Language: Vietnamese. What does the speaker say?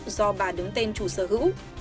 do bà đứng tên chủ sở hữu